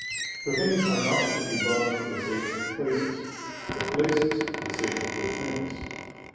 For things are not to be loved for the sake of places, but places for the sake of good things.